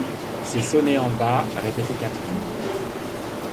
C’est sonné en bas, répétait Catherine.